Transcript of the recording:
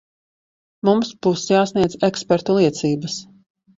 Mums būs jāsniedz ekspertu liecības.